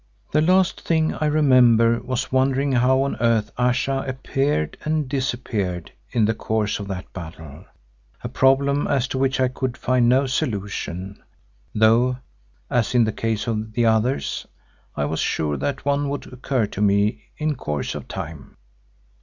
The last thing I remember was wondering how on earth Ayesha appeared and disappeared in the course of that battle, a problem as to which I could find no solution, though, as in the case of the others, I was sure that one would occur to me in course of time.